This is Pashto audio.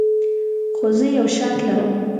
خو زه یو شرط لرم.